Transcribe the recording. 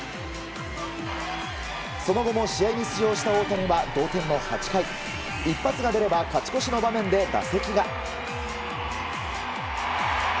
その後も試合に出場した大谷は同点の８回一発が出れば勝ち越しの場面で打席が。